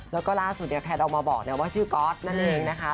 แล้วก็ล่าสุดเนี่ยแพทย์ออกมาบอกว่าชื่อก๊อตนั่นเองนะคะ